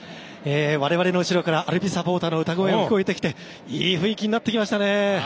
われわれの後ろからアルビレックスサポーターの歌声が聞こえてきていい雰囲気になってます。